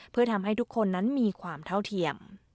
เพื่อทำให้ทุกคนนั้นมีความเท่าเทียม